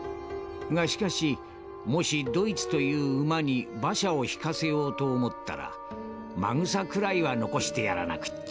がしかしもしドイツという馬に馬車を引かせようと思ったら秣くらいは残してやらなくっちゃ。